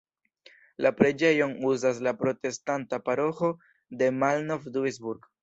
La preĝejon uzas la protestanta paroĥo de Malnov-Duisburg.